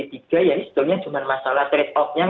ya ini sebetulnya cuma masalah trade off nya